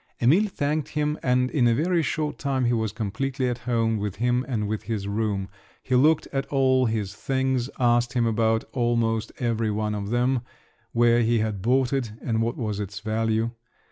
Emil thanked him, and in a very short time he was completely at home with him and with his room; he looked at all his things, asked him about almost every one of them, where he had bought it, and what was its value.